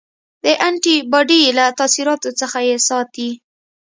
د انټي باډي له تاثیراتو څخه یې ساتي.